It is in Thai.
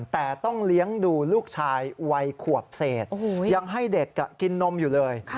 แต่ต้องเลี้ยงดูลูกชายวัยขวบเศษยังให้เด็กกินนมอยู่เลย